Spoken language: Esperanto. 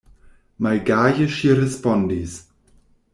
Malgaje ŝi respondis: